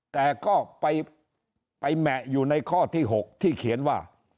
แต่ก็ไปแหมะอยู่ในข้อที่๖ที่เขียนว่า